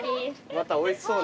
またおいしそうな。